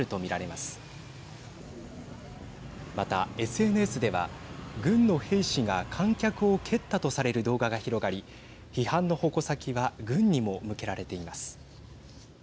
また、ＳＮＳでは軍の兵士が観客を蹴ったとされる動画が広がり批判の矛先は軍にも向けられています。